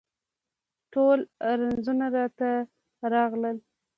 ټول رنځونه راته راغلل